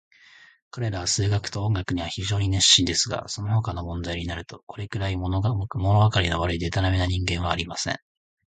彼等は数学と音楽には非常に熱心ですが、そのほかの問題になると、これくらい、ものわかりの悪い、でたらめな人間はありません。